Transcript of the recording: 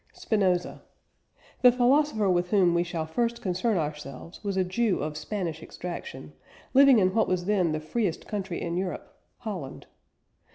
SPINOZA. The philosopher with whom we shall first concern ourselves was a Jew of Spanish extraction, living in what was then the freest country in Europe Holland.